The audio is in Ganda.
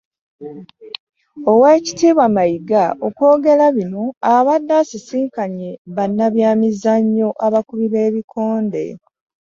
Oweekitiibwa Mayiga okwogera bino abadde asisinkanye bannabyamizannyo abakubi b'ebikonde